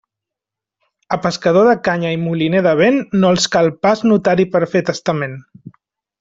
A pescador de canya i moliner de vent no els cal pas notari per fer testament.